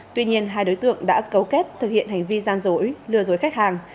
tuy nhiên hai đối tượng đã cấu kết thực hiện hành vi gian dối lừa dối khách hàng